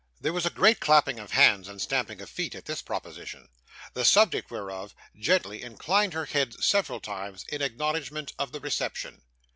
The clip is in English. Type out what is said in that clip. There was a great clapping of hands and stamping of feet, at this proposition; the subject whereof, gently inclined her head several times, in acknowledgment of the reception.